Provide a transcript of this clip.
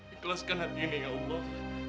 ikhlaskan hari ini ya allah